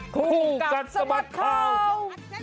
คู่กันสมัครข่าว